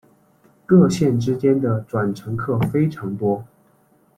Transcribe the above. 各线之间的转乘客非常多。